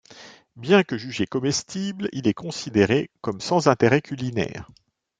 Bien que jugé comestible, il est considéré comme sans intérêt culinaire.